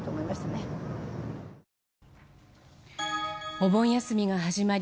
お盆休みが始まり